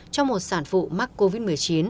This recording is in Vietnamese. cho một sản phụ mắc covid một mươi chín